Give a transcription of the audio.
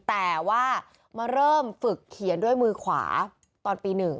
แต่ว่ามาเริ่มฝึกเขียนด้วยมือขวาตอนปี๑